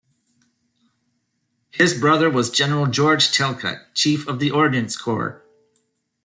His brother was General George Talcott, Chief of the Ordnance Corps.